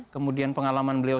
kemudian pengalaman beliau